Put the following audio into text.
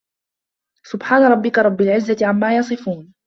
سُبحانَ رَبِّكَ رَبِّ العِزَّةِ عَمّا يَصِفونَ